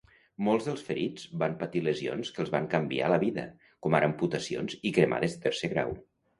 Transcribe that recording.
Molts dels ferits van patir lesions que els van canviar la vida, com ara amputacions i cremades de tercer grau.